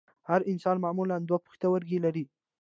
هر انسان معمولاً دوه پښتورګي لري